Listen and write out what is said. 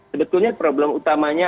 sebetulnya problem utamanya